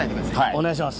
お願いします。